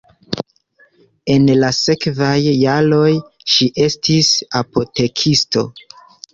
En la sekvaj jaroj ŝi estis apotekisto.